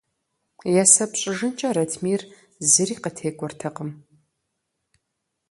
Есэп щӏыжынкӏэ Ратмир зыри къытекӏуэртэкъым.